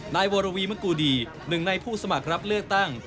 นายวรวีมะกูดีหนึ่งในผู้สมัครรับเลือกตั้ง